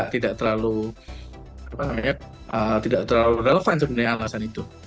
tidak terlalu relevan sebenarnya alasan itu